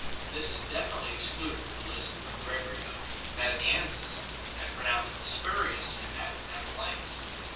This is definite ly excluded from the list of Gregory of Nazianzus 1 , and pronounced spurious in that of Amphilochius 2